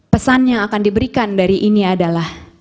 pesan yang akan diberikan dari ini adalah